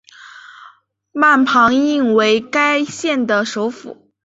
曼庞滕为该县的首府。